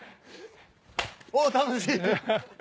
お楽しい！